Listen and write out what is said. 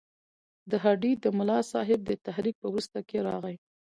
د هډې د ملاصاحب تحریک په وروسته کې راغی.